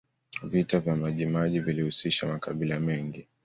vita vya majimaji vilihusisha makabila mengi